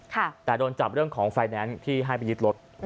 แต่โดนจับเรื่องของไฟแนนซ์ที่ให้ไปยึดรถ